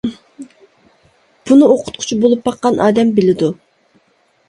بۇنى ئوقۇتقۇچى بولۇپ باققان ئادەم بىلىدۇ.